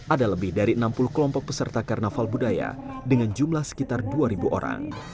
ada lebih dari enam puluh kelompok peserta karnaval budaya dengan jumlah sekitar dua orang